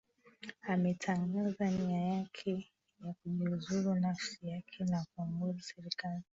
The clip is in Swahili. ametangaza nia yake ya kujiuzulu nafasi yake ya kuongoza serikali